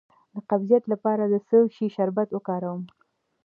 د قبضیت لپاره د څه شي شربت وکاروم؟